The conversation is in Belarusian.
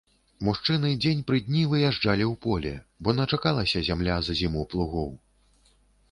Мужчыны дзень пры дні выязджалі ў поле, бо начакалася зямля за зіму плугоў.